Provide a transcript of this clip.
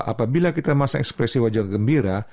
apabila kita masa ekspresi wajah gembira